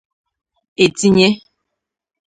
etinye